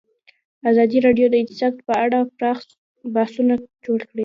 ازادي راډیو د اقتصاد په اړه پراخ بحثونه جوړ کړي.